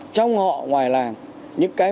trong họ ngoài làng những cái